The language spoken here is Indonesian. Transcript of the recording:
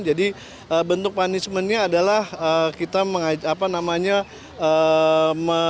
jadi bentuk punishment nya adalah kita memberitahu sayang kita